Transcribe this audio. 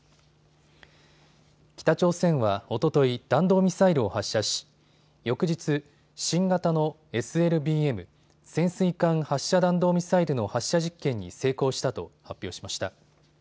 北朝鮮はおととい弾道ミサイルを発射し翌日、新型のＳＬＢＭ・潜水艦発射弾道ミサイルの発射実験に成功したと発表しました。